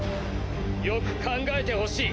よく考えてほしい！